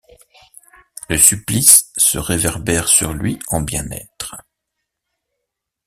Le supplice se réverbère sur lui en bien-être.